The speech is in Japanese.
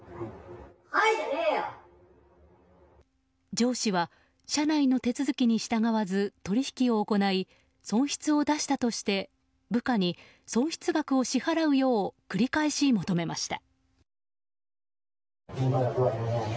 上司は、社内の手続きに従わず取引を行い損失を出したとして部下に損失額を支払うよう繰り返し求めました。